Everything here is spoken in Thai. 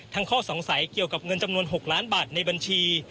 ข้อสงสัยเกี่ยวกับเงินจำนวน๖ล้านบาทในบัญชี